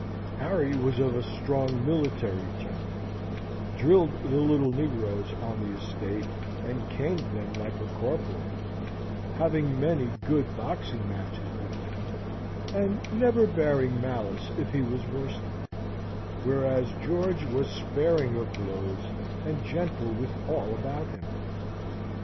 Harry was of a strong military turn, drilled the little negroes on the estate and caned them like a corporal, having many good boxing matches with them, and never bearing malice if he was worsted; whereas George was sparing of blows and gentle with all about him.